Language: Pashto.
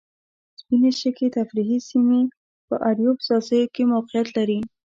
سپینې شګې تفریحي سیمه په اریوب ځاځیو کې موقیعت لري.